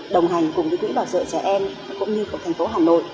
đồng hành cùng với quỹ bảo trợ trẻ em cũng như của thành phố hà nội